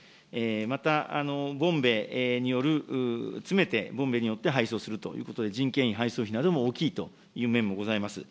また、ボンベによる、積めてボンベによって配送するということで、人件費、配送費なども大きいという面もございます。